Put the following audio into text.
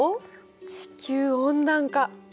地球温暖化。